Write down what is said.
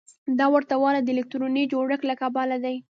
دا ورته والی د الکتروني جوړښت له کبله دی.